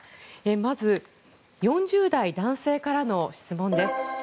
まず４０代男性からの質問です。